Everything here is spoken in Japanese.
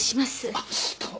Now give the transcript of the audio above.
あっどうも。